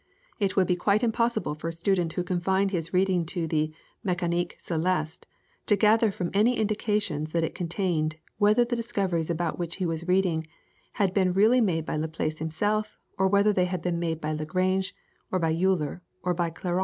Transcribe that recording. It would be quite impossible for a student who confined his reading to the "Mecanique Celeste" to gather from any indications that it contains whether the discoveries about which he was reading had been really made by Laplace himself or whether they had not been made by Lagrange, or by Euler, or by Clairaut.